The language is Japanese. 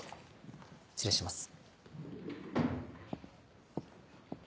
失礼します。